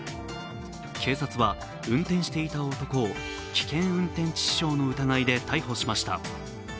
警察は運転していた男を危険運転致死傷の疑いで逮捕しました。